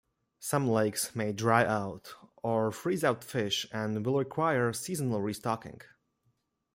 Some lakes may dry out or freeze out fish and will require seasonal restocking.